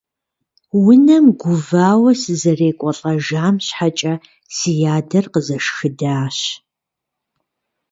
Унэм гувауэ сызэрекӀуэлӏэжам щхьэкӀэ си адэр къызэшхыдащ.